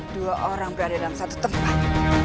dua orang berada dalam satu tempat